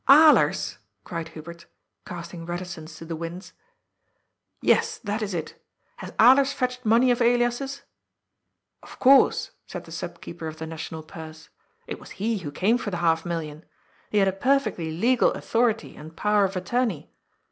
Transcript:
"" Alers !" cried Hubert, casting reticence to the winds. " Yes, that is it. Has Alers fetched money of Elias's ?"" Of course," said the sub keeper of the National Purse. " It was he who came for the half million. He had a per fectly legal authority and Power of Attorney.